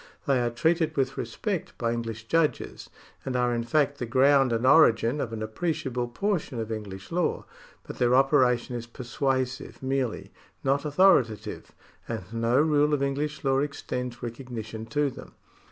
They are treated with respect by English judges, and are in fact the ground and origin of an appreciable portion of English law, but their operation is persuasive merely, not authorita tive, and no rule of English law extends recognition to them.